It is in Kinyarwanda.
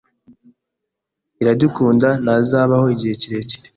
Iradukunda ntazabaho igihe kirekire.